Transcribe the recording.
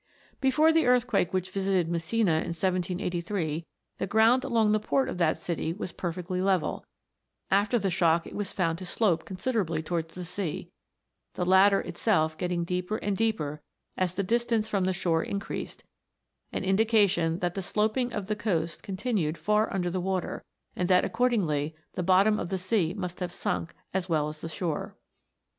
Before the earthquake which visited Messina in 1783, the ground along the port of that city was perfectly level ; after the shock it was found to slope considerably towards the sea, the latter itself getting deeper and deeper as the distance from the shore increased an indication that the sloping of the PLUTO S KINGDOM. 301 coast continued far under the water, and that ac cordingly the bottom of the sea must have sunk as well as the shore.